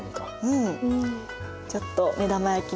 うん。